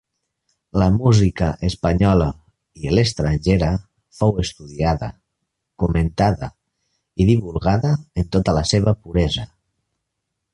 La música espanyola i l'estrangera fou estudiada, comentada i divulgada en tota la seva puresa.